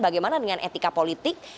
bagaimana dengan etika politik